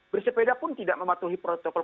bersepeda pun tidak mematuhi protokol